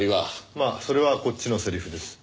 まあそれはこっちのセリフです。